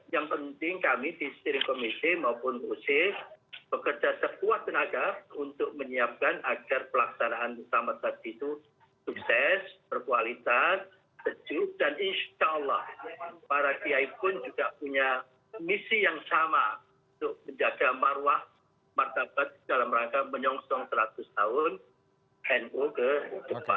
yang penting kami di steering committee maupun gus ipul bekerja sekuat tenaga untuk menyiapkan agar pelaksanaan utama tadi itu sukses berkualitas sejuk dan insya allah para kiai pun juga punya misi yang sama untuk menjaga marwah martabat dalam rangka menyongsong seratus tahun npo kedua